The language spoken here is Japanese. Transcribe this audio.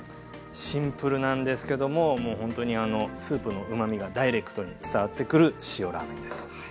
シンプルなんですけどもほんとにスープのうまみがダイレクトに伝わってくる塩ラーメンです。